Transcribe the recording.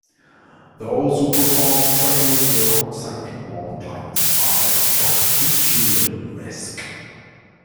Those who perform strenuous work outside in warm climates are at particular risk.